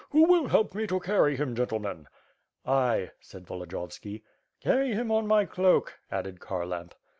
Who will help me to carry him, gen tleemen?" "I," said Volodiyovski. "Carry him on my cloak," added Kharlamp.